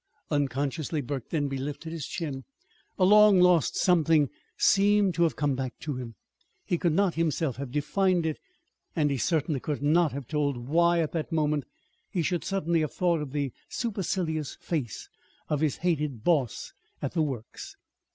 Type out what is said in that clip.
Unconsciously Burke Denby lifted his chin. A long lost something seemed to have come back to him. He could not himself have defined it; and he certainly could not have told why, at that moment, he should suddenly have thought of the supercilious face of his hated "boss" at the Works.